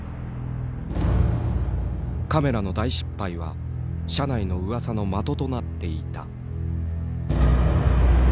カメラの大失敗は社内のうわさの的となっていた。